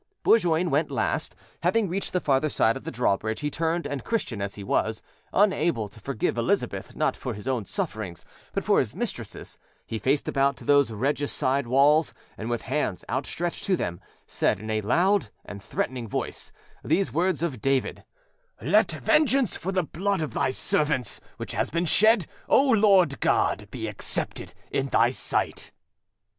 Bourgoin went last: having reached the farther side of the drawbridge, he turned, and, Christian as he was, unable to forgive Elizabeth, not for his own sufferings, but for his mistress's, he faced about to those regicide walls, and, with hands outstretched to them, said in a loud and threatening voice, those words of David: "Let vengeance for the blood of Thy servants, which has been shed, O Lord God, be acceptable in Thy sight".